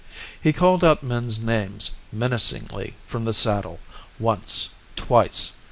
He called out men's names menacingly from the saddle, once, twice.